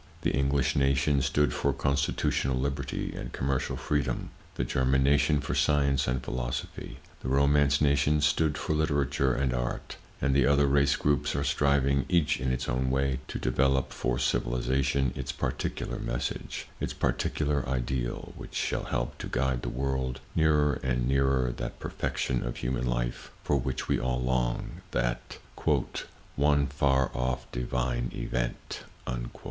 The English nation stood for constitutional liberty and commercial freedom; the German nation for science and philosophy; the Romance nations stood for literature and art, and the other race groups are striving, each in its own way, to develope for civilization its particular message, its particular ideal, which shall help to guide the world nearer and nearer that perfection of human life for which we all long, that "one far off Divine event."